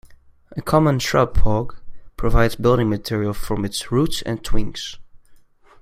A common shrub-phog provides building material from its roots and twings.